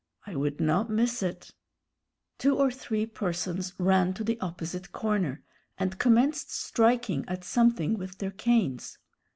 I would not miss it " Two or three persons ran to the opposite corner, and commenced striking at something with their canes.